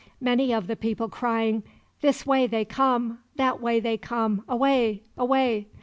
Many of the people crying, 'This way they come, that way they come, away, away.